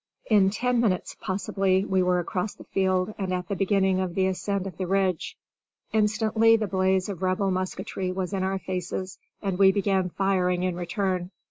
In ten minutes, possibly, we were across the field and at the beginning of the ascent of the Ridge. Instantly the blaze of Rebel musketry was in our faces, and we began firing in return.